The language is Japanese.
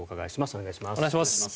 お願いします。